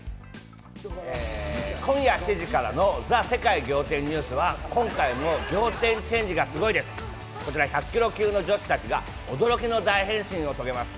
今夜７時からの『ザ！世界仰天ニュース』は今回も仰天チェンジがすごいです１００キロ級の女子たちが驚きの大変身を遂げます。